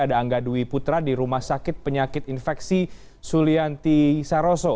ada angga dwi putra di rumah sakit penyakit infeksi sulianti saroso